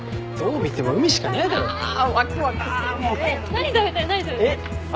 何食べたい？